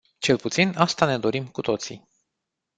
Cel puțin, asta ne dorim cu toții.